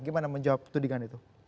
gimana menjawab petundingan itu